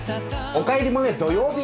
「おかえりモネ」土曜日！